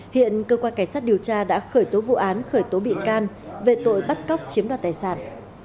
hiện cơ quan cảnh sát điều tra đã khởi tố vụ án khởi tố bị can về tội bắt cóc chiếm đoạt tài sản